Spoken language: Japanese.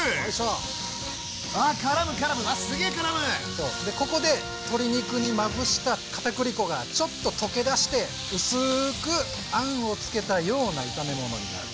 そうここで鶏肉にまぶした片栗粉がちょっと溶けだして薄くあんをつけたような炒め物になる。